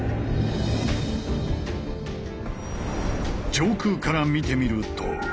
上空から見てみると。